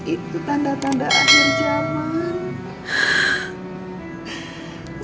itu tanda tanda akhir zaman